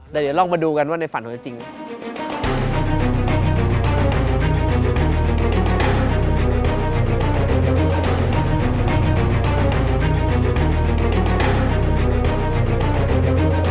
เดี๋ยวลองมาดูกันว่านายฝันหรือจริง